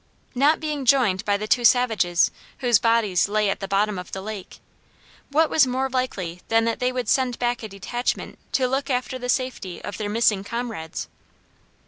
Not being joined by the two savages whose bodies lay at the bottom of the lake, what was more likely than that they would send back a detachment to look after the safety of their missing comrades?